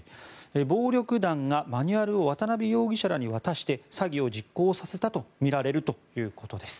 暴力団が、マニュアルを渡邉容疑者らに渡して詐欺を実行させたとみられるということです。